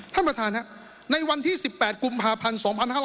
ท่านประธานครับในวันที่๑๘กุมภาพันธ์๒๕๖๐